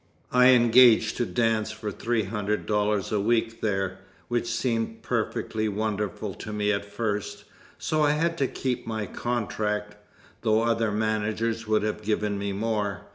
I engaged to dance for three hundred dollars a week there, which seemed perfectly wonderful to me at first; so I had to keep my contract, though other managers would have given me more.